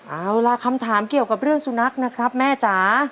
เอาล่ะคำถามเกี่ยวกับเรื่องสุนัขนะครับแม่จ๋า